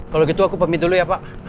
kalau gitu aku pamit dulu ya pak